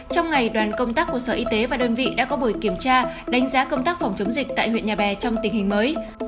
trong ngày đoàn công tác của sở y tế và đơn vị đã có buổi kiểm tra đánh giá công tác phòng chống dịch tại huyện nhà bè trong tình hình mới